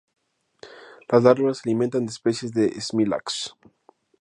Las larvas se alimentan de especies de "Smilax".